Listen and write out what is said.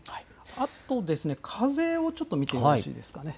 あと、風をちょっと見てよろしいですかね。